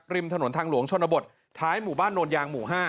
ริมถนนทางหลวงชนบทท้ายหมู่บ้านโนนยางหมู่๕